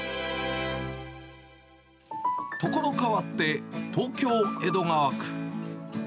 ところ変わって、東京・江戸川区。